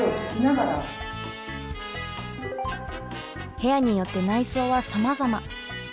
部屋によって内装はさまざま。